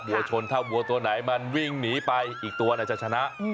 วัวชนถ้าวัวตัวไหนมันวิ่งหนีไปอีกตัวจะชนะ